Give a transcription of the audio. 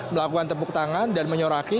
melakukan tepuk tangan dan menyoraki